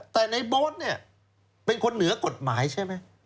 แต่ในโบ๊ทเนี่ยเป็นคนเหนือกฎหมายใช่ไหม